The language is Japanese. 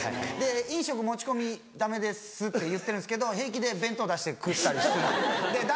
「飲食持ち込みダメです」って言ってるんですけど平気で弁当出して食ったりするんです。